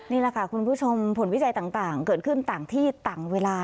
นี่แหละค่ะคุณผู้ชมผลวิจัยต่างเกิดขึ้นต่างที่ต่างเวลา